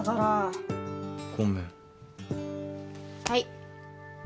はい。